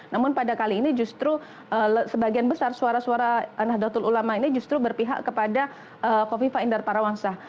namun pada kali ini justru sebagian besar suara suara nahdlatul ulama ini justru berpihak kepada kofifa indar parawangsa